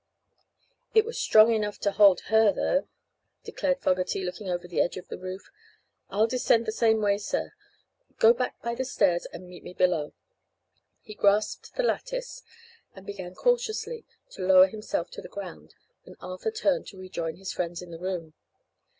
"It was strong enough to hold her, though," declared Fogerty, looking over the edge of the roof. "I'll descend the same way, sir. Go back by the stairs and meet me below." He grasped the lattice and began cautiously to lower himself to the ground, and Arthur turned to rejoin his friends in the room.